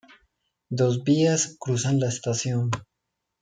Dos vías cruzan la estación.